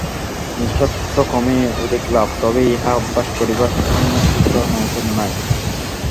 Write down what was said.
নিঃস্বার্থ কর্মেই অধিক লাভ, তবে ইহা অভ্যাস করিবার সহিষ্ণুতা মানুষের নাই।